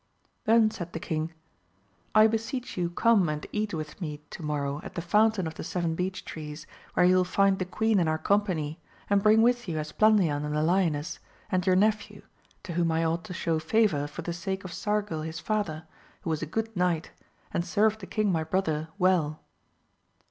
Then said the king, I beseech you come and eat with me to morrow at the Fountain of the Seven Beech Trees, where you will find the queen and our company, and bring with you Esplandian and the lioness, and your nephew, to whom I ought to show favour for the ssike of Sargil his father, who was a good knight, and served the king my brother well.